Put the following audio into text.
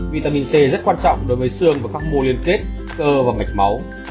vitamin c rất quan trọng đối với xương và các mô liên kết cơ và mạch máu